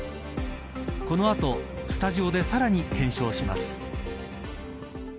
この後スタジオでさらに検証します。